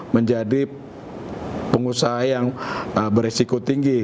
menjadi pengusaha yang beresiko tinggi